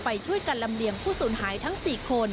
ไปช่วยกันลำเลียงผู้สูญหายทั้ง๔คน